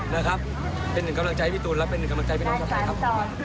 นะครับเป็นหนึ่งกำลังใจให้พี่ตูนและเป็นหนึ่งกำลังใจพี่น้องชาวไทยครับ